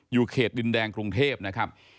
เขตดินแดงกรุงเทพนะครับ